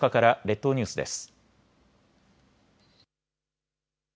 列島ニュースです。